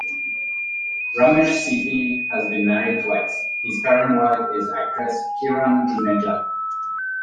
Ramesh Sippy has been married twice; his current wife is actress Kiran Juneja.